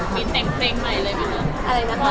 มีแต่งอะไรเลยบ้างนะ